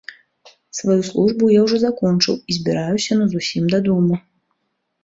Сваю службу я ўжо закончыў і збіраюся назусім дадому.